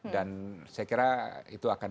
dan saya kira itu akan